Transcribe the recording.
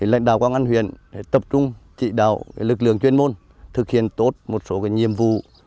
lãnh đạo công an huyện tập trung chỉ đạo lực lượng chuyên môn thực hiện tốt một số nhiệm vụ